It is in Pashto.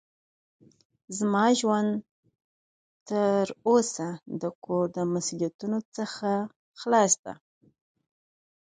زما ژوند تر اوسه د کور له مسوؤليتونو څخه خلاص ده.